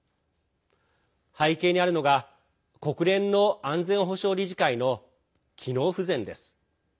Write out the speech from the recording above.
背景にあるのが国連の安全保障理事会の機能不全です。